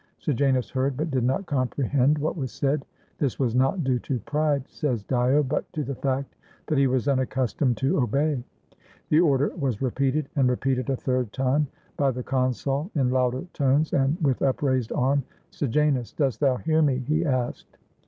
Sejanus heard, but did not comprehend what was said. "This was not due to pride," says Dio, "but to the fact that he was unaccustomed to obey." The order was repeated, and repeated a third time by the consul in louder tones and with upraised arm. "Sejanus! dost thou hear me?" he asked.